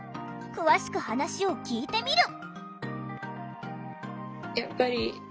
詳しく話を聞いてみる。